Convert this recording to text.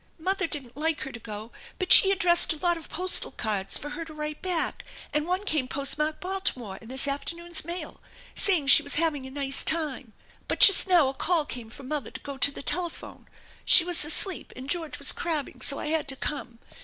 Mother didn't like her to go, but she addressed a lot of postal cards for her to write back, and one came postmarked Baltimore in this afternoon's mail, saying she was having a nice time. But just now a call came for mother to go to the telephone. She was asleep and George was crabbing so I had to come.